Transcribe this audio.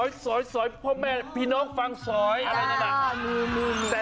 มอลำคลายเสียงมาแล้วมอลำคลายเสียงมาแล้ว